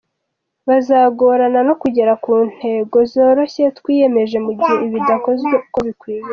Bizagorana no kugera ku ntego zoroshye twiyemeje mu gihe ibi bidakozwe uko bikwiye.”